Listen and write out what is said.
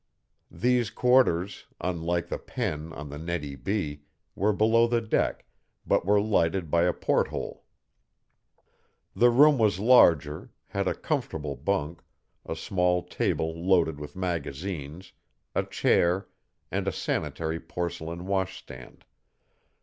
These quarters, unlike the pen on the Nettie B., were below the deck, but were lighted by a porthole. The room was larger, had a comfortable bunk, a small table loaded with magazines, a chair, and a sanitary porcelain washstand.